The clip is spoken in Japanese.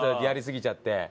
やりすぎちゃって。